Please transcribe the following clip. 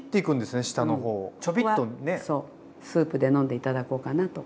ここはスープで飲んで頂こうかなと。